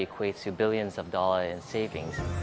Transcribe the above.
ini mungkin berdasarkan dua juta dolar dalam uang